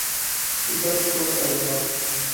ھېسابلىق دوست ئايرىلماس.